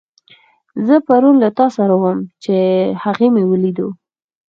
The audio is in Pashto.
زه پرون له تاسره وم، چې هغه مې وليدو.